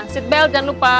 sitbelt jangan lupa